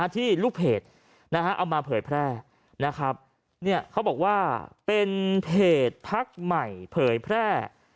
ที่ลูกเพจเอามาเผยแพร่นะครับเขาบอกว่าเป็นเพจพักใหม่เผยแพร่